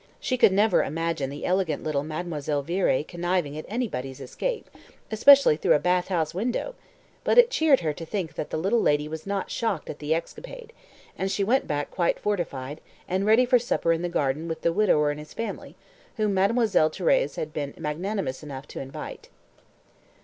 She could never imagine the elegant little Mademoiselle Viré conniving at anybody's escape, especially through a bath house window! But it cheered her to think that the little lady was not shocked at the escapade; and she went back quite fortified, and ready for supper in the garden with the widower and his family, whom Mademoiselle Thérèse had been magnanimous enough to invite.